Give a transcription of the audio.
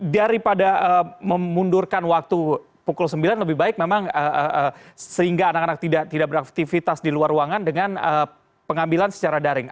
daripada memundurkan waktu pukul sembilan lebih baik memang sehingga anak anak tidak beraktivitas di luar ruangan dengan pengambilan secara daring